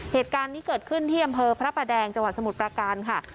เหตุการณ์นี้เกิดขึ้นที่อำเภอพระประแดงจังหวัดสมุทรประการค่ะ